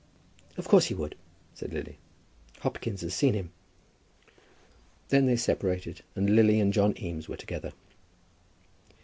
"Of course he would," said Lily; "Hopkins has seen him." Then they separated, and Lily and John Eames were together.